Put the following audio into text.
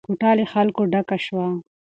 کوټه له خلکو ډکه شوه.